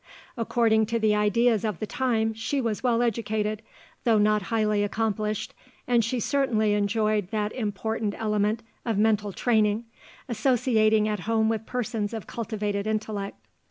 According to the ideas of the time she was well educated, though not highly accomplished, and she certainly enjoyed that important element of mental training, associating at home with persons of cultivated intellect."